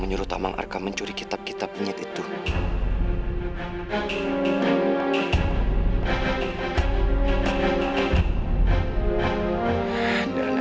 menyuruh tamang arkam mencuri kitab kitab inekumayang itu